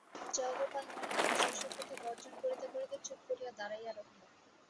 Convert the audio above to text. জয়গোপাল মনে মনে শশীর প্রতি গর্জন করিতে করিতে চুপ করিয়া দাঁড়াইয়া রহিল।